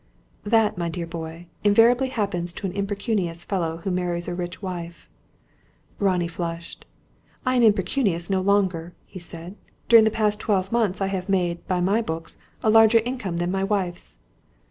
"That, my dear boy, invariably happens to an impecunious fellow who marries a rich wife." Ronnie flushed. "I am impecunious no longer," he said. "During the past twelve months I have made, by my books, a larger income than my wife's."